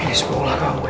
ini semua ulah kamu ya